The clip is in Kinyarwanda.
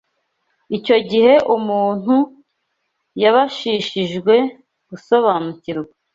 Icyo gihe umuntu yabashishijwe gusobanukirwa